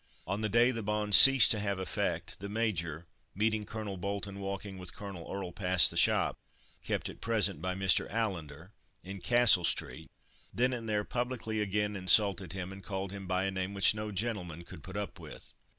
On the day the bond ceased to have effect, the Major, meeting Colonel Bolton walking with Colonel Earle past the shop, kept at present by Mr. Allender, in Castle street, then and there publicly again insulted him, and called him by a name which no gentleman could put up with.